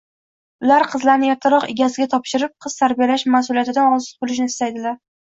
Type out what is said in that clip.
Ular qizlarini ertaroq egasiga topshirib, qiz tarbiyalash mas`uliyatidan ozod bo`lishni istaydilar